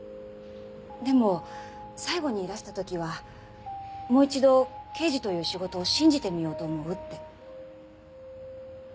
でも最後にいらした時は「もう一度刑事という仕事を信じてみようと思う」って。